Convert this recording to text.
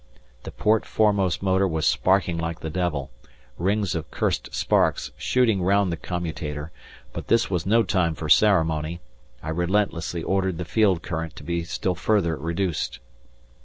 The port foremost motor was sparking like the devil, rings of cursed sparks shooting round the commutator, but this was no time for ceremony. I relentlessly ordered the field current to be still further reduced.